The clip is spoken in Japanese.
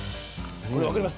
これわかります？